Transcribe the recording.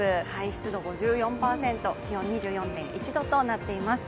湿度５４％、気温２４．１度となっています。